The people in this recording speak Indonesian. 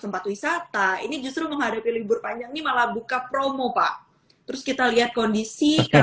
tempat wisata ini justru menghadapi libur panjang ini malah buka promo pak terus kita lihat kondisi